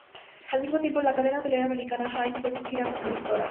Al mismo tiempo, la cadena hotelera americana Hyatt fue escogida como gestora.